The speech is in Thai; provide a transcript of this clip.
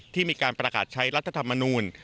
ที่มีการประกาศใช้รัฐธรรมนูล